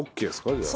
じゃあ。